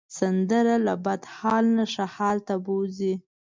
سندره له بد حال نه ښه حال ته بوځي